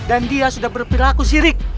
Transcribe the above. dan dia sudah berperilaku sirik